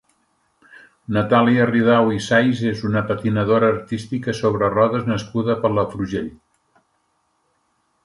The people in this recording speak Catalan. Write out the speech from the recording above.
Natàlia Ridao i Sais és una patinadora artística sobre rodes nascuda a Palafrugell.